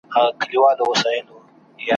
چي نا اهله په وطن كي پر قدرت وي ,